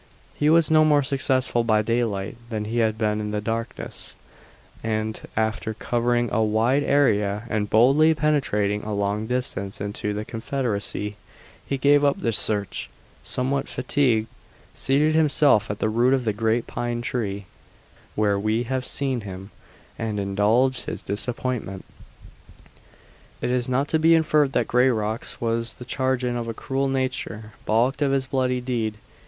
He was no more successful by daylight than he had been in the darkness, and after covering a wide area and boldly penetrating a long distance into "the Confederacy" he gave up the search, somewhat fatigued, seated himself at the root of the great pine tree, where we have seen him, and indulged his disappointment. It is not to be inferred that Grayrock's was the chagrin of a cruel nature balked of its bloody deed.